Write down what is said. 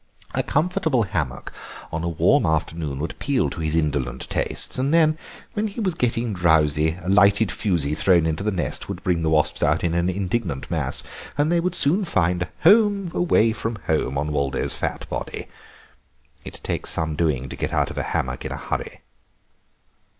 A comfortable hammock on a warm afternoon would appeal to his indolent tastes, and then, when he was getting drowsy, a lighted fusee thrown into the nest would bring the wasps out in an indignant mass, and they would soon find a 'home away from home' on Waldo's fat body. It takes some doing to get out of a hammock in a hurry."